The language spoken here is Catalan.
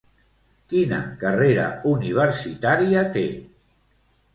Quina carrera universitària té?